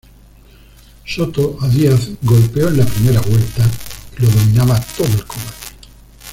Soto a Díaz golpeó en la primera vuelta y lo dominaba todo el combate.